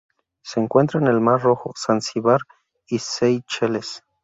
Se encuentra en el Mar Rojo, Zanzíbar y Seychelles.